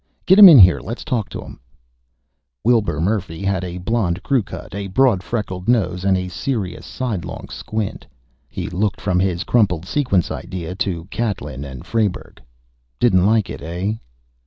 "Get him in here; let's talk to him." Wilbur Murphy had a blond crew cut, a broad freckled nose, and a serious sidelong squint. He looked from his crumpled sequence idea to Catlin and Frayberg. "Didn't like it, eh?"